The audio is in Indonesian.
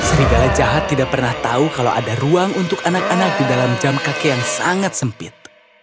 serigala jahat tidak pernah tahu kalau ada ruang untuk anak anak di dalam jam kakek yang sangat sempit